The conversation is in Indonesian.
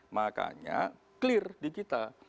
makanya clear di kita